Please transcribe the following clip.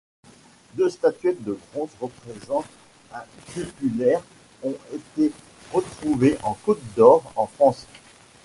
Deux statuettes de bronze représentant un crupellaire ont été retrouvées en Côte-d’Or en France.